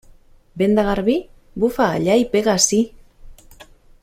Vent de garbí? Bufa allà i pega ací.